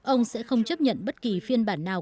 ông sẽ không chấp nhận bất kỳ phiên bản nào